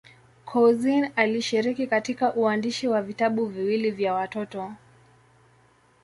Couzyn alishiriki katika uandishi wa vitabu viwili vya watoto.